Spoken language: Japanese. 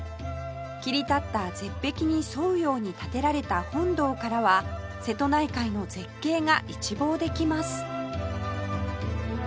切り立った絶壁に沿うように建てられた本堂からは瀬戸内海の絶景が一望できます